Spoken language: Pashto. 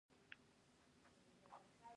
د کوانټم انټنګلمنټ ذرات سره تړلي ساتي.